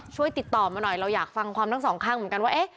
ช่วยติดต่อมาหน่อยเราอยากฟังความทั้งสองข้างเหมือนกันว่า